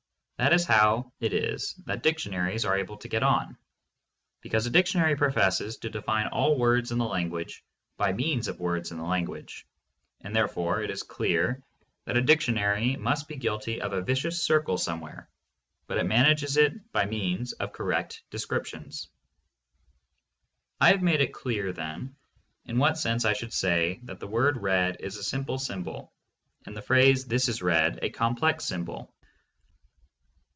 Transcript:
That is how it is that dictionaries are able to get on, be cause a dictionary professes to define all the words in the language by means of words in the language, and therefore THE PHILOSOPHY OF LOGICAL ATOMISM. $1J it is clear that a dictionary must be guilty of a vicious circle somewhere, but it manages it by means of correct descrip tions. I have made it clear, then, in what sense I should say that the word "red" is a simple symbol and the phrase "This is red" a complex symbol.